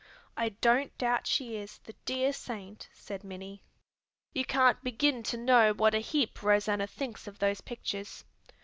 "I don't doubt she is, the dear saint!" said Minnie. "You can't begin to know what a heap Rosanna thinks of those pictures.